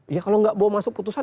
ya kalau nggak mau masuk keputusan